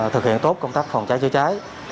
thực hiện tốt công tác phòng cháy chữa cháy